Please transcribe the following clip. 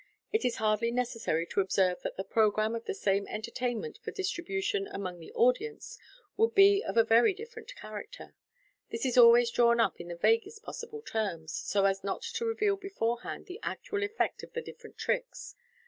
It is hardly necessary to observe that the programme of the same entertainment for distribu* tion among the audience would be of a very different character. This is always dnwn up in the vaguest possible terms, so as not to reveal beforehand the actual effect of the different tricks.